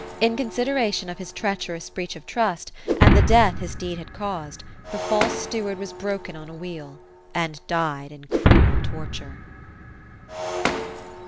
In consideration of his treacherous breach of trust, and the death his deed had caused, the false steward was broken on a wheel, and died in cruel tortures.